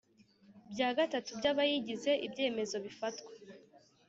bya gatatu by abayigize Ibyemezo bifatwa